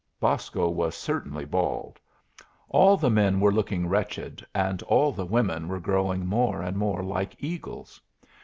Bosco was certainly bald. All the men were looking wretched, and all the women were growing more and more like eagles.